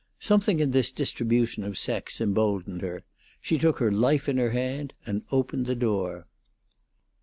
Something in this distribution of sex emboldened her; she took her life in her hand, and opened the door.